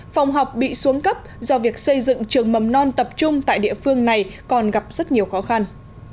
phòng học bị xuống cấp do việc xây dựng trường mầm non tập trung tại địa phương này còn gặp rất nhiều khó khăn